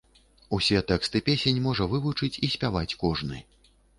Усе тэксты песень можа вывучыць і спяваць кожны.